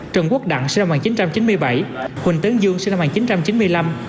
trần quốc đặng sinh năm một nghìn chín trăm chín mươi bảy huỳnh tấn dương sinh năm một nghìn chín trăm chín mươi năm